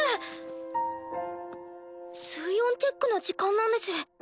タッ水温チェックの時間なんです。